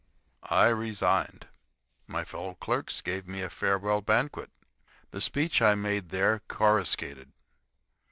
I resigned. My fellow clerks gave me a farewell banquet. The speech I made there coruscated.